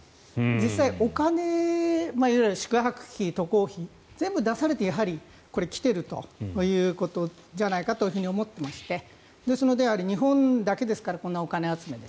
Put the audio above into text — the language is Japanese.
実際、お金いわゆる宿泊費、渡航費全部出されて来ているということじゃないかと思っていまして日本だけですからこんなお金集めは。